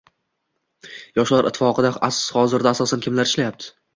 Yoshlar Ittifoqida hozir asosan kimlar ishlayapti?